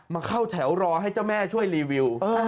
เข้าแถวรอให้เจ้าแม่ช่วยรีวิว